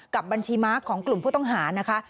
กับบัญชีม้าของกลุ่มผู้ต้องหานะคะ